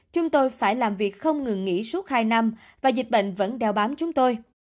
chúng tôi phải làm việc không ngừng nghỉ suốt hai năm và dịch bệnh vẫn đeo bám chúng tôi